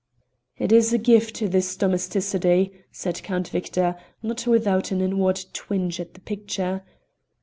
"It is a gift, this domesticity," said Count Victor, not without an inward twinge at the picture.